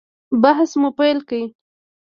بحث مو پیل کړ.